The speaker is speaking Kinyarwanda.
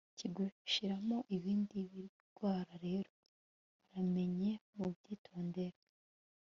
kigushyiramo ibindi birwara rero muramemye mubyitondere